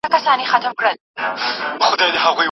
رسول الله د ميرمنو سره کومي لوبي کولې؟